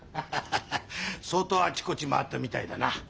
ハハハ相当あっちこっち回ったみたいだな？